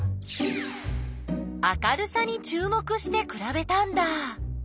明るさにちゅう目してくらべたんだ。